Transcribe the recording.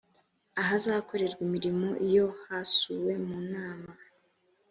ahazakorerwa imirimo iyo hasuwe mu nama